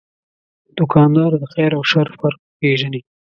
دوکاندار د خیر او شر فرق پېژني.